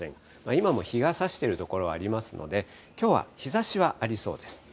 今も日がさしている所はありますので、きょうは日ざしはありそうです。